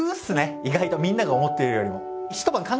意外とみんなが思ってるよりも。